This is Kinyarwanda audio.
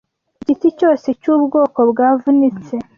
Igiti cyose cyubwoko bwavunitse